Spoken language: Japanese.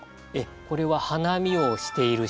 これは花見をしている人。